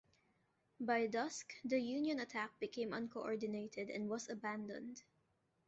By dusk, the Union attack became uncoordinated and was abandoned.